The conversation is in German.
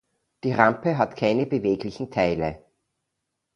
Die Rampe hat keine beweglichen Teile.